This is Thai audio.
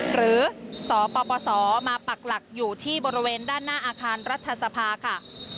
หรือสปสมาปักหลักอยู่ที่บริเวณด้านหน้าอาคารรัฐสภาค่ะ